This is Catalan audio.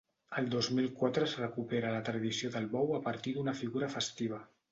El dos mil quatre es recupera la tradició del bou a partir d'una figura festiva.